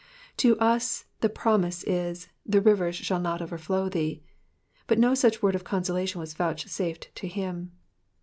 To us the promise is, the rivers shall not overflow thee," but no such word of consolation was vouchsafed to him.